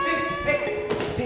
ada siapa kenapa